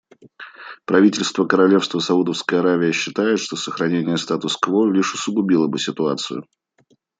Правительство Королевства Саудовская Аравия считает, что сохранение статус-кво лишь усугубило бы ситуацию.